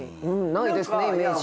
ないですねイメージ。